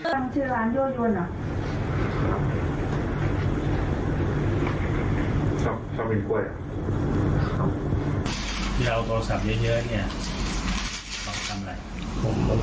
ที่เราโทรศัพท์เยอะเนี่ย